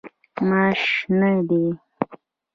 ماش شنه دي.